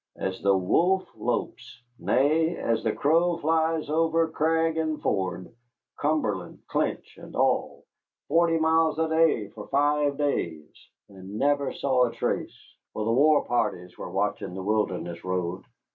As the wolf lopes, nay, as the crow flies over crag and ford, Cumberland, Clinch, and all, forty miles a day for five days, and never saw a trace for the war parties were watching the Wilderness Road."